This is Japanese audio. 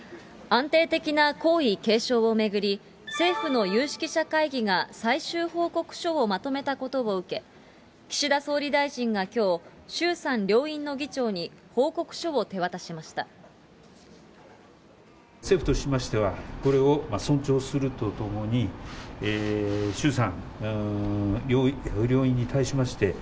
安定的な皇位継承を巡り、政府の有識者会議が最終報告書をまとめたことを受け、岸田総理大臣がきょう、衆参両院の議長に報告書を手渡しました。